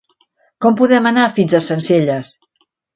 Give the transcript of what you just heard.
Com podem anar fins a Sencelles?